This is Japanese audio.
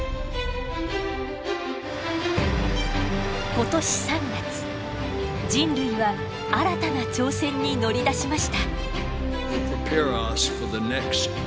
今年３月人類は新たな挑戦に乗り出しました。